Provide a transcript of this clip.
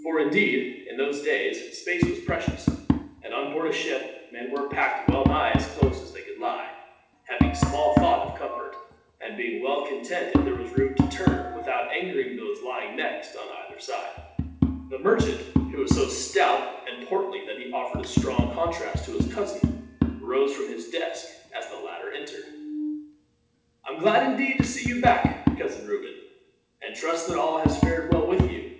For indeed, in those days space was precious, and on board a ship men were packed well nigh as close as they could lie; having small thought of comfort, and being well content if there was room to turn, without angering those lying next on either side. The merchant, who was so stout and portly that he offered a strong contrast to his cousin, rose from his desk as the latter entered. "I am glad, indeed, to see you back, Cousin Reuben; and trust that all has fared well with you."